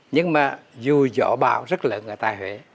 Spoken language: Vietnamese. nhưng mà dù gió bão rất lớn ở tại huế